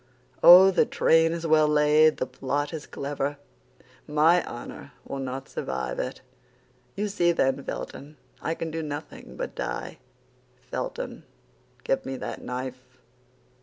Oh, the train is well laid; the plot is clever. My honor will not survive it! You see, then, Felton, I can do nothing but die. Felton, give me that knife!"